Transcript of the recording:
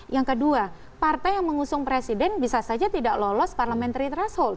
yang kedua partai yang mengusung presiden bisa saja tidak lolos parliamentary threshold